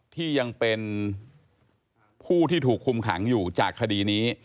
ที่ยังเป็นผู้ที่ถูกคุมขังอยู่จากคดีนี้